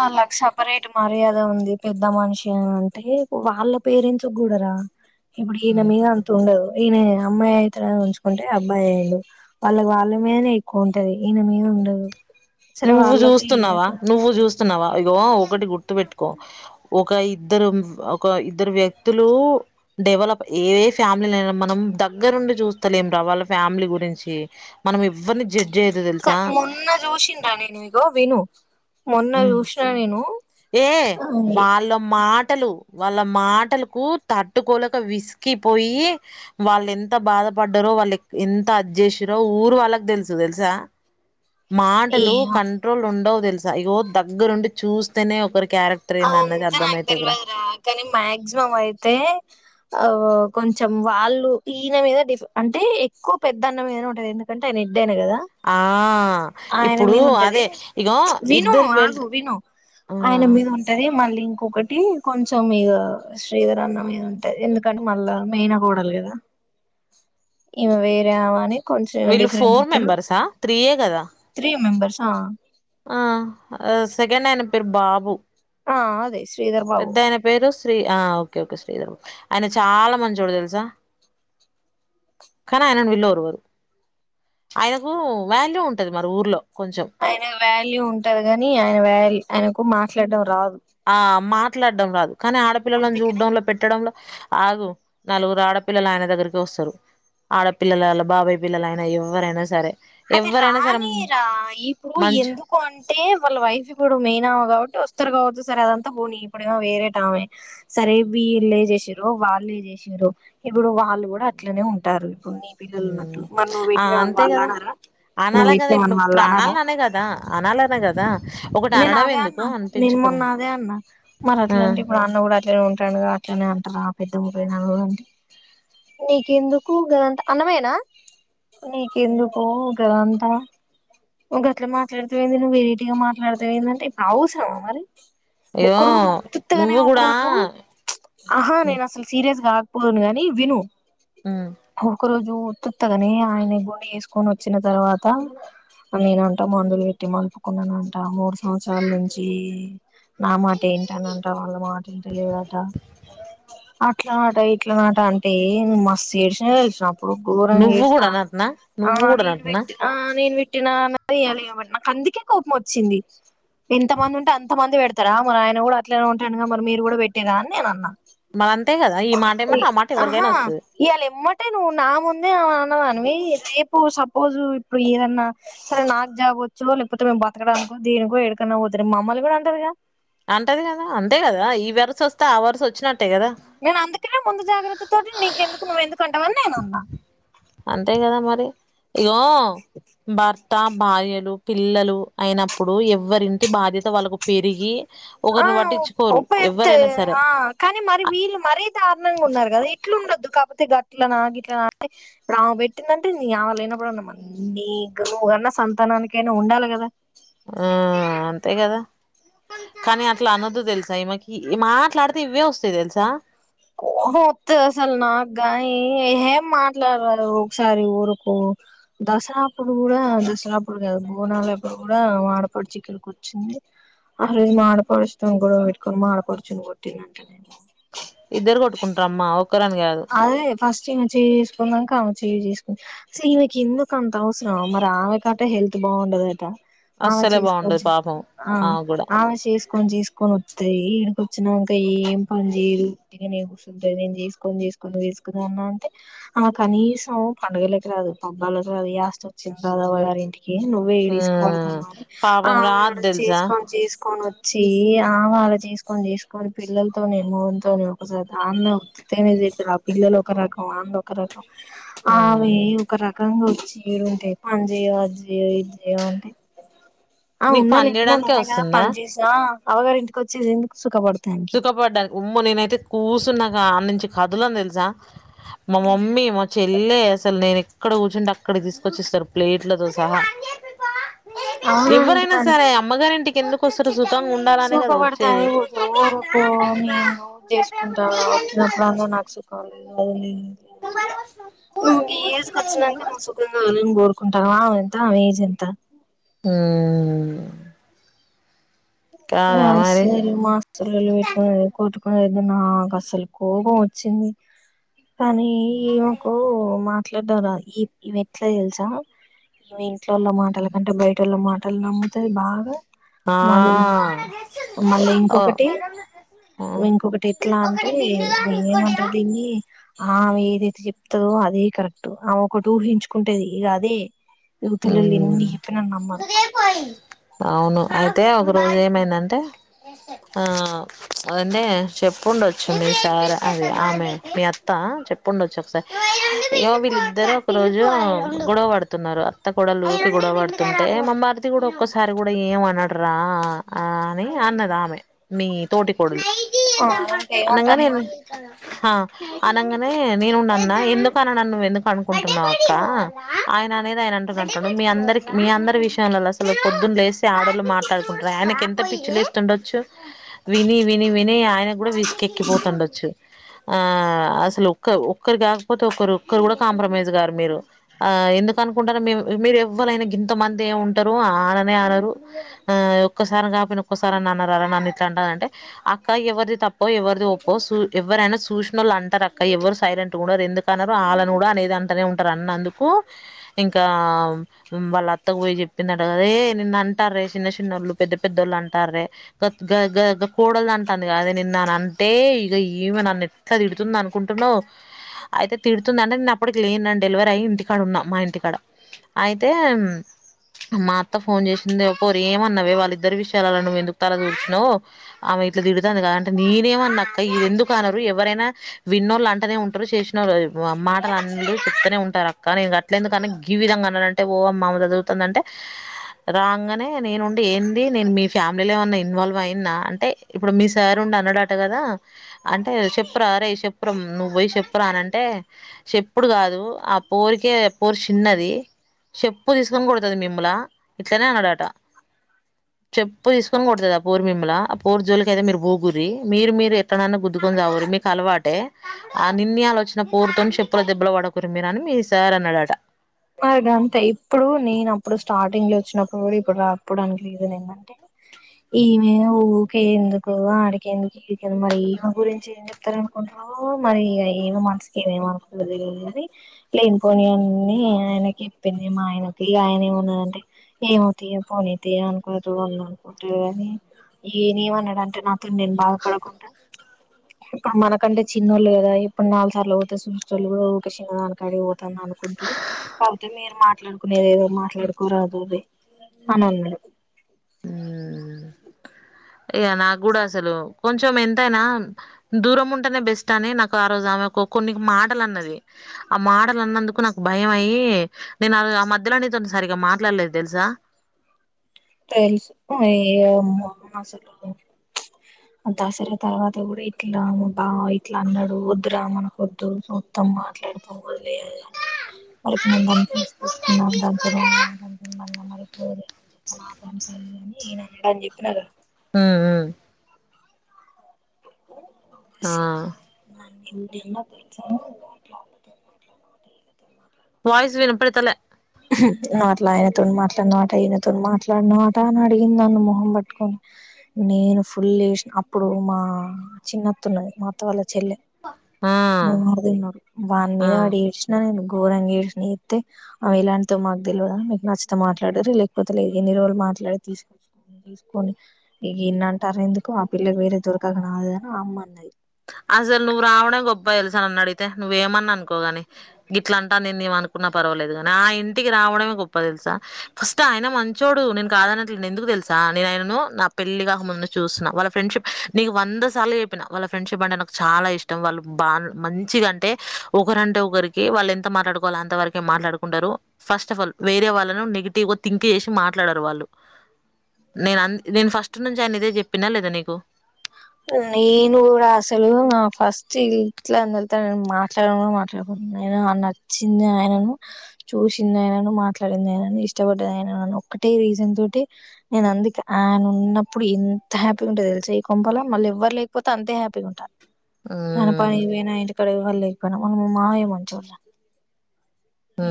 ఆ లక్షక్షపరేట్ మర్యాద ఉంది పెద్ద మనిషి అంటే వాళ్ళ పేరెంట్స్ కూడారా ఇప్పుడు ఈయన మీద అంత ఉండదు ఈయన అమ్మాయి అవుతుడ ఉంచుకుంటే అబ్బాయి అయి్యండు వాళ్ళకి వాళ్ళ మీద ఎక్కువ ఉంటది ఈయన మీద ఉండదు సరే నువ్వు వాళ్ళకి చూస్తున్నావా నువ్వు చూస్తున్నావా ఇ ఒకటి గుర్తు పెట్టుకో ఒక ఇద్దరు ఒక ఇద్దరు వ్యక్తులు ఇవాళ ఏ ఫ్యామిలీనా మనం దగ్గరుండి చూస్తలేం రా వాళ్ళ ఫ్యామిలీ గురించి మనం మ [unintelligible] మొన్న చూసిన్రా నేను ఇగో విను మొన్న ఉమ్. చూసిన నేను ఏ వాళ్ళమ్మా మాటలు వాళ్ళ మాటలకు తట్టుకోలక విసికిపోయి వాళ్ళ ఎంత బాధపడ్డరో వాళ్ళకి ఎంత అద్ద చేసిరో ఊరు వాళ్ళకి తెలుసు తెలుసా అ మాటలు కంట్రోల్ ఉండవు తెలుసా ఇగో దగ్గరుండి చూస్తేనే ఒకరికి అంత నాకు తెలియదురా కానీ మాక్సిమం అయితే ఆ కొంచెం వాళ్ళు ఈయన మీద డిఫ అంటే ఎక్కువ పెద్దన్న మీద ఉంటంది ఎందుకంటే ఆయన ద్దేను కదా ఆ ఆయన ఇప్పుడు మీద ఉంటది అదే ఇగో విను ఇద్దరు వెళ్ ఆగు విను ఆ ఆయన మీద ఉంటది మ మళ్ళీ ఇంకొకటి కొంచెం మీద శ్రీధర అన్నం మీద ఉంటాయి ఎందుకంటే మళ్ళా మేన కోడలు కదా ఇవి వేరేవని కొంచెం వీళ్ళు డిఫరెన్స్ ఫోర్ ఇస్తారు మెంబర్సా త్రీయే కదా మేయన్బర్స్ ఆ ఆ సెకండ్ అయన పేరు బాబు ఆ అదే శ్రీధర్ బాబు పెద్ద ఆయన పేరు శ్రీ ఆ ఓకే ఓకే శ్రీధర్ ఆయన చాలా మంచోడు తెలుసా కానీ ఆయనని పిలవరు ఎవరు ఆయనకు వేల్యూ ఉంటంది మరి ఊర్లో కొంచెం ఆయన వాల్యూ ఉంటారు కాని ఆయన వాల ఆయనకు మాట్లాడడం రాదు ఆ మాట్లాడడం రాదు కానీ ఆడపిల్లలను అందుకనే చూడ్డంలో పెట్టడంలో ఆదు నలుగురు ఆడపిల్లలు ఆయన దగ్గరికే వస్తారు ఆడపిల్లల బబాయ పిల్లలైనా ఎవరైనా సరే అదే ఎవ్వరైనా సరే రాని రా ఇప్పుడు మంచు ఎందుకు అంటే వాళ్ళ వైఫ్ ఇప్పుడు మెయినా కాబట్టి వస్తు ఉత్తరగా సరే అదంతా పోనీ ఇప్పుడేమో వేరే టమే సరే విళ్ళ చేసారు వాళ్ళే చేసారు ఇప్పుడు వాళ్ళు కూడా అట్లనే ఉంటారు ఇప్పుడు నీ పిల్లలు ఉన్నట్టు మరి నువ్వు ఆ పెట్టినవాని అంతే వాళ్ళు కదా అన్నారా అనాలే కదా ఇప్పుడు ప్రాణాలే అనే కదా అనాలే అనే కదా ఒకటి నేను అనడం అదే అన్న ఎందుకు నేను అనిపించుకోవడం మొన్న అదే అన్న మరి ఆ! అట్లా అంటే ఇప్పుడు అన్న కూడా అట్లేనే ఉంటుండు కా ఎట్లనే అంటారా పెద్దమ్మ పోయిన కూడా అంటే నీకెందుకు గదంతా అన్నమయ్య నా నీకెందుకు గాదంతా నువ్వు గాట్లా మాట్లాడతావ్ ఏంది నువ్ వెరైటీగా మాట్ల మాట్లాడతావ్ ఏంది అంటే అవసరం ఆహా మరి అయ్యో ఒకక్క రోజు ఉత్త్తిగానే నువ్వు ఒక కూడా రోజు ఆహా నేను అసలు సీరియస్ గాను ఏమనుకోను గాని విను ఒక రోజు ఉత్తుత్తిగానే ఆయన గుండ చేసుకొని వచ్చిన తర్వాత నేనంటా మందు పెట్టి మలుపుకున్నానంట మూడు సంవత్సరాల నుంచి నా మాటే వింటుంది అంట వాళ్ళ మాట వింటలేడంట అట్లా నాట ఇట్ల నాట అంటే మస్తు ఏడ్సిన తెలుసా గోరంగి నువ్వు ఏడ్చిన కూడా నటనా ఆ నువ్వు కూడా నేను నటనా పెట్టి ఆ నేను పెట్టి పట్టిన అన్నది [unintelligible] నాకు అందుకే కోపం వచ్చింది ఎంతమంది ఉంటే అంత మంది పెడతారా మరి ఆయన కూడా అట్లానే ఉంటాడుగా మరి మీరు కూడా పెట్టేరా అని నేను అన్నా మరి అంతే కదా ఈ మాట ఏమాట ఆ మాట ఆహా ఎవరికైనా వస్తది ఇవాళ ఏమ్మటే నువ్వు నా ముందే నివి రేపు సపోజ్ ఇప్పుడు ఏదన్నా సరే నాకు జాబ్ వచో లేకపోతే మేము బ దేనికో ఎక్కడికైనా పోతే రేపు మమ్మల్ని కూడా అంటదిగా అంటది కదా అంతే కదా ఈ వరస వస్తే ఆ వరస వచ్చినట్టు నేను అందుకనే ముందు జాగ్రత్త తోటి నీకెందుకు నువ్వెందుకు అంటావని నేను అనా అంతే కదా మరి ఇగో బత అత్త భార్యలు పిల్లలు అయినప్పుడు ఎవరింటి బాధ్యత వాళ్ళకు పెరిగి ఒకరిని పట్ ఉప ఎత్ ఆ కానీ మరి వీళ్ళు మరీ దారుణంగా ఉన్నారు కదా ఇట్లు ఉండద్దు కాబట్టి గట్ల నా గిట్ల నా అంటే ఇప్పుడు ఆమె పెట్టిందింటే నీ అవ్వ లేనప్పుడున్నాన్నీన్నా సంతానానికైనా ఉండాలి కదా ఆ అంతే కదా కానీ అట్లా అన్నదు తెలుసా ఈమకి మాట్లాడితే ఇవే వస్తాయి తెలుసా ఆహె వద్దు అసలు నాకు గాని ఏం మాట్లాడాలో ఒకసారి ఊరుకో దసరాప్పుడు కూడా దసరాపుడు కాదు బోనాలుప్పుడు కూడా మా ఆడపడుచుక్కడికి వచ్చింది ఆ రోజు మా ఆడపడుచు తో గొడవ పెట్టుకొని ఆడపడుచులు కొట్టిందంట ఇద్దరు కొట్టుకుంటాండ్రో మావోళ్ళు అదే ఫస్ట్ ఈమె చేయి వేసుకున్నాక అమ్మే చె చేసుకుని సే ఈమెకు ఎందుకు అంత అవసరామ మరి ఆమెకటే హెల్త్ బాగుండదట ఆమె అస్సలే బాగుండదు చేసుకొని పాపం ఆ ఆమె కూడా ఆమె చేసుకొని చేసుకొని ఇడికి వచ్చినాక ఏం పని చెయ్యదు ఉట్టిగానే కూసుంటది నేను చేసుకొని చేసుకొని పండగ చేసుకుందామా అంటే ఆమె కనీసం పండగలకు రాదు పబ్బాలకు రాదు వేస్ట్ వచ్చిందా రారి ఇంటికి నువ్వే ఇదా ఉమ్, తీసుకోపొదువు అని పాపం రాదు అడా తెలుసా చేసుకొని చేసుకొని వోచి వచ్చి అమ్మే అడా చేసుకొని చేసుకొని పిల్లలతోని మొగుడు తోని ఒకసారి అన్ననే చెసు ఆ పిల్లలు ఒక రకం ఆళ ఒక రకం అవి ఉమ్, ఒక రకంగా చీలు ఉంటాయి పని చెయ అది చెయ ఇది చేయవు అంటే ఆ నీకు ఉన్నా పని లేకున చేయడానికే నవే కదా వస్తుందా పని చేసా అవగారు ఇంటికి వచ్చేందుకు సుఖపడుతు సుఖపడ్డానికి ఉమ్మో నేనైతే కూర్చున్నాక అన్నించి కదులని తెలుసా మా మమ్మీ మా చే ల్లె అసలు నేను ఎక్కడ కూర్చుంటే అక్కడి తీసుకొచ్చిస్తారు ప్లేట్లతో సహా ఎవ్వరైనా అవ్వగారింటికి సరే అమ్మగారి ఇంటికి ఎందుకుస్తారు సుతంగా ఉండాలనే కదా వచ్చేది ఓరకు నేను రోజ చేసుకుంటా వచ్చినప్పుడు అన్న నాకు సుఖాలు అవు నువ్వు ఈ ఏజ్ క వచ్చినంక నువ్వు సుఖం కావాల కోరుకుంటావా ఎంత మేజ్ ఎంత ఆ ఆ సరే మా అత్త లొల్లి పెట్టుకుని లేదో నాకు అసలు కోపం వచ్చింది కానీ ఈమకు మాట్లాడం రాదు ఈ ఈ ఏట్లా తెలుసా ఈమె ఇంట్లోళ్ళ మాటల కంటే బయటళ్ళ మాటలు నమ్ముతది బాగా ఆ మళ్ళా మళ్ళా ఓ ఇంకొకటి ఉమ్ ఇంకొకటి ఎట్లా అంటే ఏమంటారు దీన్ని ఆమె ఏదైతే చెప్తదో అదే కరెక్ట్ ఆమె ఒకటి ఊహించుకుంటేది ఇక అదే ఇవతలొల్లు ఎన్ని చెప్పిన నమ్మదు అవును అయితే ఒక రోజు ఏమైందంటే ఆ అదే చెప్పుండొచ్చు మీ సార్ అది ఆమె మీ అత్తా చెప్పండొచ్చు ఒకసారి యో వీళ్ళిద్దరు ఒక రోజు గొడవ పడుతున్నారు అత్త కోడళ్ళు ఊకె గొడవ పడుతున్నరు అంటే మా మరిది కూడా ఒక్కసారి కూడా ఏమ అనడరా అని అన్నది ఆమె మీ ఇ తోటి కోడలు ఆ అంటే ఆనంగానే ఏమంటాంది మరి అనంగనే నేనున్నా అన్న ఎందుకు అన నన్న నువ్వు ఎందుకు అనుకుంటున్నావు అక్క ఆయన అనేది ఆయన అంట మీ అందరి మీ అందరి విషయంలోలో అసలు పొద్దున్న లే ఆడోర్లు మాట్లాడుకుంటారు ఆయనకు ఎంత పిచ్చి లేస్తూ ఉండొచ్చు విని విని విని ఆయన కూడా విసుకెక్కిపోతుండొచ్చు ఆ అసలు ఒక్క ఒక్కరు కాకపోతే ఒరు ఒక్కరు కూడా కాంప్రమైజ్ గారు మీరు ఆ ఎందుకు అనుకుంటార మేము మీరు ఎవ్వరైనా గింతమందే ఉంటారు అననే అనరు ఆ ఒక్కసారి కాపోయిన ఒక్కసారి అన్నారారా నన్ను ఇట్లా అంటంటే అక్క ఎవరిది తప్పో ఎవరిది ఒప్పో ఎవరైనా సూసినోళ్లు అంటారా అక్క ఎవరు సైలెంట్ గా ఉండరు ఎందుకనరు ఆళ్ను కూడా అనేది అంటనే ఉంటారు అన్నందుకు ఇంకా ఆ వాళ్ళ అత్తకు పోయి చెప్పిందట కద నిన్ను అంటారే చిన్న చిన్నళ్ళు పెద్ద పెద్దోళ్ళు అంటారే గా గా కోడల్ది అంటంది కదే నిన్నున్న అంటే ఇక ఈమె నన్ను ఎట్ల తిడుతాంది అంటే అనుకుంటున్నావు అయితే తిడుతుందింటే నేను అప్పటికి లేను నా డెలివరీ అయ్యి ఇంటికాడ ఉన్నా మా ఇంటికాడ అయితే మా అత్త ఫోన్ చేసింది ఓ పోరి ఏమన్నవే వాళ్ళిద్దరు విషయాలలా నువ్వు ఎందుకు తలా దూర్చినవు ఇట్లా తిడుతది కాదంటే నేనేమన్నాక్క ఎందుకునరు ఎవరైనా విన్నోళ్ అంటనే ఉంటారు చేసినోళ్ళు మాటలు అన్నూ చెప్తానే ఉంటారు అక్కనీ అట్ల ఎందుకని ఈ విధంగా అన్నాంటే ఓ మమ్మల్ని చుత్తదాంటే రాంగ్నే నేనుండి ఏంది నేను మీ ఫ్యామిలీలో ఏమన్నా ఇన్వాల్వ్ అయినా అంటే ఇప్పుడు మీ సారి అన్నాడట కదా అంటే చెప్పురా అరే చెప్పురా నువ్వు పోయి చెప్పురా అనంటే చెప్పు అప్పుడు కాదు ఆ పోరికే పోరి చిన్నది చెప్పు తీసుకొని కోడతది మిమ్మలా ఇట్లనే అన్నాడట అ చెప్పు తీసుకొని కొడుతది ఆ పోరి మిమ్ముల ఆ పోరి జోలికి అయితే మీరు పోగురి మీరు మీరు ఎట్డనైనా గుద్దు కొని శావుల్లి మీకు అలవాటే ఆ నిన్న ఇయాల వచ్చిన పూర్తోని చెప్పుల దెబ్బల పడకుర్రి మీరని మీ సార్ అన్నాడట. గంతే ఇప్పుడు నేను అప్పుడు స్టార్టింగ్ లో వచ్చినప్పుడు కూడా ఇప్పుడు రా అప్పుడానికి లేదు ఏంటంటే ఈమె ఊరికే ఎందుకు ఆడిక ఎందుకు ఈడిక మరి ఈమె గురించి ఏం చెప్తారనుకుంటు మరి ఏమి మనసుకి ఏమేమి అనకూడదు అది లే ఇన పోనీ అన్ని ఆయనకి ఇప్పింది ఆయనకి ఆయన ఏమిన్నదంటే ఏమో తీయ పోనీ తీయ అనుకోరు వాళ్ళు అ ఉంటడు కాని ఏనేమన్నాడంటే నాతో నేను బాధపడకుండా మనకంటే చిన్నోళ్ళు కదా ఇప్పుడు నాలుగు సార్లు పోతే చూు కూడా ఊ చిన్న దానికాడి పోతు అనుకుంటున్నా కాకపోతే మీరు మాట్లాడుకునే ఏదేదో మాట్లాడుకోరాదు అది అని అన్నా [unintelligible] అయ నాకు కూడా అసలు కొంచెం ఎంతైనా దూరం ఉంటేనే బెస్ట్ అని నాకు ఆ రోజు ఆమె కొన్ని మాటలు అన్నది ఆ మాటలు అన్నందుకు నాకు భయం అయి నేను అ ఆ మధ్యలోనే సరిగ్గా మాట్లాడలేదు తెలుసా అవు [unintelligible] దసరా తర్వాత కూడా ఇట్లా రాము బా ఇట్లా అన్నాడు వద్దు రా అనక వద్దు మొత్తం మాట్లాడుతాం వదిలేంటడి మళ్కి నేను దాన్ని తీసుకొచ్చుకున్నాను దాంతో [unintelligible] అలా దనికి కదుదని నేన అనడా అని చెప్పిన కదా ఉమ్ ఆ [unintelligible] [unintelligible] టదు వయిస్ వినపతల అట్లా ఆయనతో మాట్లాడినమాట ఈయనతో మాట్లాడినమాట అని అడిగింది అన్న మొహం పట్టుకొని నేను ఫుల్ వస అప్పుడు మా చిన్నత్తన్నది మా అత్త వాళ్ళ చెల్లె ఆ న [unintelligible] వాని ఆ మీద వాడ ఏడ్చిన నేను ఘోరంగా ఏడినత్తే అవి ఇలాంటి తో మాకు తెలియదా మీకు నచ్చతం మాట్లాడరు లేకపోతే లేదు ఎన్ని రోజులు మాట్లాడ తీసుకొచ్చ తీసుకొని ఇ ఎన్న అంట అర ఎందుకు ఆ పిల్లకి వేరే దొరకక నాదుని ఆ అమ్మ అన్నది అసలు నువ్వు రావడం గొప్పా తెలుసాను అన్న అడిగితే నువ్వేమని అనుకోగాని ఇట్లా అంటా నేను నవ్వ అనుకున్నా పర్వలేదు కాని ఆ ఇంటికి రావడమే గొప్ప తెలుసా ఫస్ట్ ఆయన మంచించోడు నేను కాదన్నట్లే న ఎందుకు తెలుసా నేనును నా పెళ్లి కాక ముందు చూస్తున్నా వాళ్ళ ఫ్రెండ్షిప్ నీకు వంద సార్లు చెప్పిన వాళ్ళ ఫ్రెండ్షిప్ నాకు చాలా ఇష్టం వాళ్ళు బా మంచిగా అంటే ఒకరంటే ఒకరికి వాళ్ళు ఎంత మాట్లాడుకోవాలి అంత అంత వరకే మాట్లాడుకుంటారు ఫస్ట్ ఆఫ్ ఆల్ వేరే వాళ్ళను నెగిటివ్ గా థింక్ చేసి మాట్లాడారు వాళ్ళు నేను నేను ఫస్ట్ నుంచి ఆయన ఇదే చెప్పినా లేదా నీకు నేను కూడా అసలు నా ఫస్ట్ ఇట్ల అందరితో నేను మాట్లాడ మాట్లాడుకుంటున్నా నచ్చింది ఆయనను చూసింది ఆయనను మాట్లాడింది ఆయనను ఇష్టపడ్డది ఆయన ఒక్క రీజన్ తో నేను అందుకే ఆయన ఉన్నప్పుడు ఎంత హ్యాపీగా ఉంటో తెలిసే కుంపల మళ్ళీ ఎవ్వరు లేకపోతే అంతే హ్యాపీగా ఉంటారు ఆయన పని ఉమ్ పోయినా ఇంటికడ వాళ ఇన మాయమ చూడలే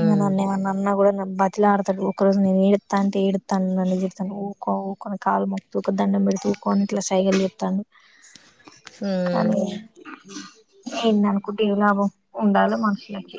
ఇవ నాన్న మ అన్న కూడా నమ్బద్ ఇట్లా ఆడతడు ఒక రోజు నేనుడుడతాంటే ఏడుాను నన్నుడాను ఊక్క కాలు మొక్తతి ఒక దండం పెడుత కోట్ల సైగలి ఇతాను ఉమ్ ఎను కుటి లాభం ఉండాల మనుషులికి